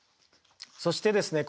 そしてですね